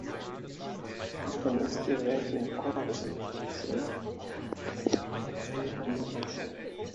Anthony, still laughing quietly to himself, made no answer.